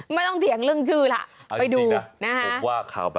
ไม่ต้องเถียงเรื่องชื่อล่ะ